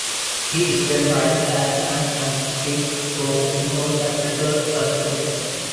He spent time as an ascetic, focusing on practical asceticism.